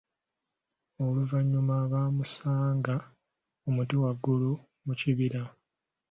Oluvanyuma baamusanga ku muti waggulu mu kibira.